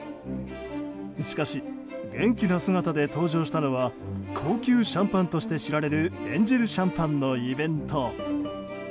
しかし、元気な姿で登場したのは高級シャンパンとして知られるＡＮＧＥＬＣＨＡＭＰＡＧＮＥのイベント。